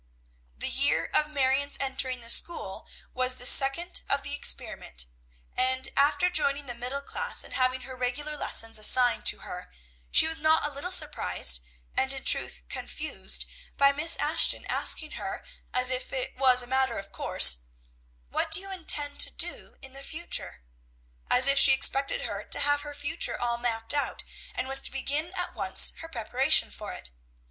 The year of Marion's entering the school was the second of the experiment; and, after joining the middle class and having her regular lessons assigned to her, she was not a little surprised, and in truth confused, by Miss Ashton asking her, as if it was a matter of course, "What do you intend to do in the future?" as if she expected her to have her future all mapped out, and was to begin at once her preparation for it.